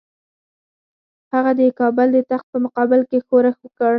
هغه د کابل د تخت په مقابل کې ښورښ وکړ.